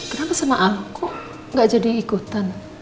kenapa sama aku gak jadi ikutan